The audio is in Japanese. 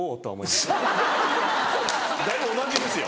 ほらだいぶ同じですよ